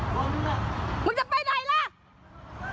มึงจะไปไหนล่ะ